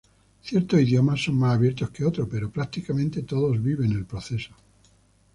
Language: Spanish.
Ciertos idiomas son más abiertos que otros, pero prácticamente todos viven el proceso.